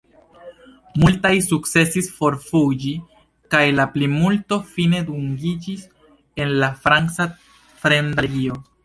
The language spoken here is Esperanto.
Multaj sukcesis forfuĝi kaj la plimulto fine dungiĝis en la franca fremda legio.